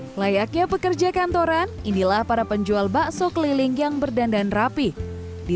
hai layaknya pekerja kantoran inilah para penjual bakso keliling yang berdandan rapi di